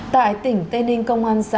tại tỉnh tây ninh công an xã